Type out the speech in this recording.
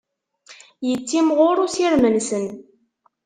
Yettimɣur usirem-nsen.